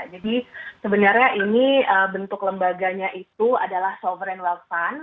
jadi sebenarnya ini bentuk lembaganya itu adalah sovereign wealth fund